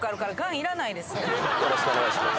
よろしくお願いします